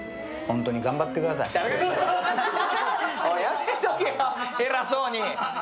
やめとけよ、偉そうに。